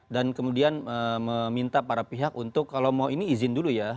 kemudian meminta para pihak untuk kalau mau ini izin dulu ya